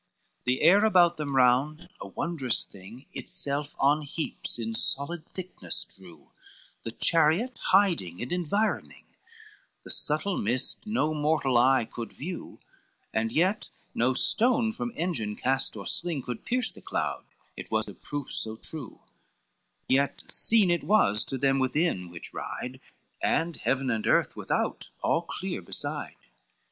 XVI The air about them round, a wondrous thing, Itself on heaps in solid thickness drew, The chariot hiding and environing, The subtle mist no mortal eye could view; And yet no stone from engine cast or sling Could pierce the cloud, it was of proof so true; Yet seen it was to them within which ride, And heaven and earth without, all clear beside.